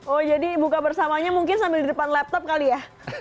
oh jadi buka bersamanya mungkin sambil di depan laptop kali ya